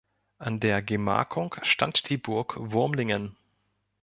Auf der Gemarkung stand die Burg Wurmlingen.